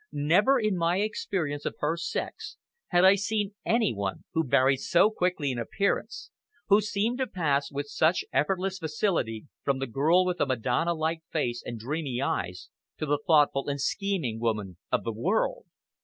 Never in my experience of her sex had I seen any one who varied so quickly in appearance, who seemed to pass with such effortless facility from the girl with the Madonna like face and dreamy eyes, to the thoughtful and scheming woman of the world.